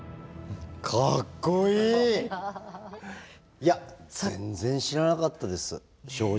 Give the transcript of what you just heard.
いや全然知らなかったです正直。